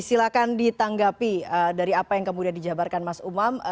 silahkan ditanggapi dari apa yang kemudian dijabarkan mas umam